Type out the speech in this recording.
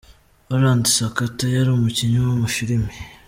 Harold Sakata, yari umukinnyi w’Amafilimi.